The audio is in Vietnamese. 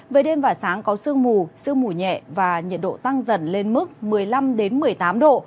về đêm và sáng có sương mù sương mù nhẹ và nhiệt độ tăng dần lên mức một mươi năm một mươi tám độ